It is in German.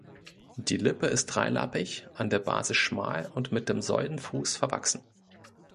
Die Lippe ist dreilappig, an der Basis schmal und mit dem Säulenfuß verwachsen.